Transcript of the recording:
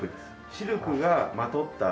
シルクがまとってある。